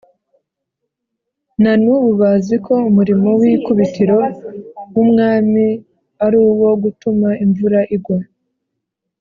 na n’ubu baziko umurimo w’ikubitiro w’umwami ari uwo gutuma imvura igwa.